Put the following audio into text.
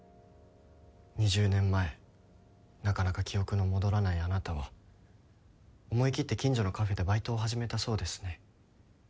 ２０年前なかなか記憶の戻らないあなたは思い切って近所のカフェでバイトを始めたそうですね。